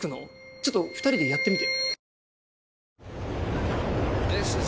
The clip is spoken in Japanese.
ちょっと２人でやってみて。